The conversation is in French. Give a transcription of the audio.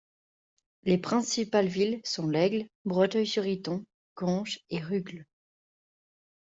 Les principales villes sont l'Aigle, Breteuil-sur-Iton, Conches et Rugles.